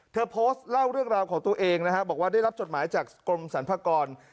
เธอโพสต์เล่าเรื่องราวของตัวเองนะฮะบอกว่าได้รับจดหมายจากกรมสรรพากร